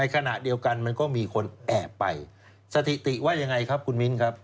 ขณะเดียวกันมันก็มีคนแอบไปสถิติว่ายังไงครับคุณมิ้นครับ